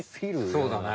そうだね。